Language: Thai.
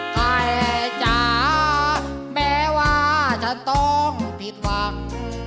ไก่จ๋าแม้ว่าฉันต้องผิดหวัง